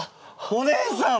お姉さん！